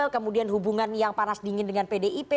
kemudian hubungan yang panas dingin dengan pdip